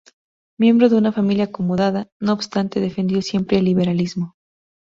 Miembro de una familia acomodada, no obstante defendió siempre el liberalismo.